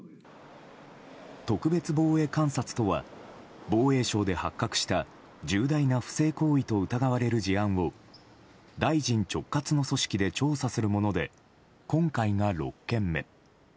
特別防衛監察とは防衛省で発覚した重大な不正行為と疑われる事案を大臣直轄の組織で調査するもので今回が６件目。